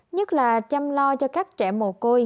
nhất là chăm lo cho các trẻ mồ côi